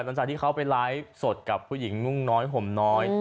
หลังจากที่เขาไปไลฟ์สดกับผู้หญิงนุ่งน้อยห่มน้อย